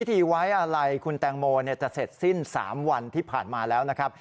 ไว้อะไรคุณแตงโมจะเสร็จสิ้น๓วันที่ผ่านมาแล้วนะครับ